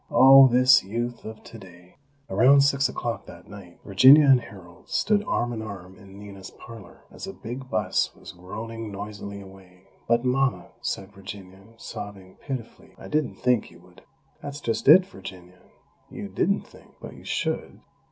Oh, this Youth of today!" Around six o'clock that night, Virginia and Harold stood arm in arm in Nina's parlor, as a big bus was groaning noisily away. "But, Mama," said Virginia, sobbing pitifully, "I didn't think you would " "That's just it, Virginia, you didn't think!! But you _should!